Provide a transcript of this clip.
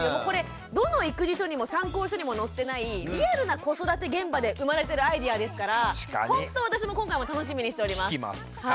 これどの育児書にも参考書にも載ってないリアルな子育て現場で生まれてるアイデアですからほんと私も今回も楽しみにしております。